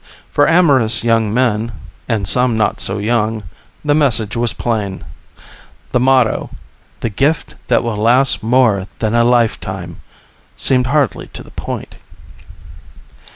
For amorous young men, and some not so young, the message was plain. The motto, "The Gift That Will Last More Than a Lifetime", seemed hardly to the point.